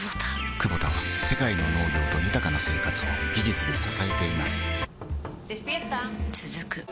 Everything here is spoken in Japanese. クボタは世界の農業と豊かな生活を技術で支えています起きて。